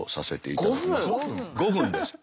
５分です。